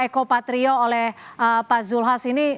eko patrio oleh pak zul has ini